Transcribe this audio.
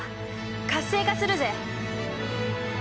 活性化するぜ！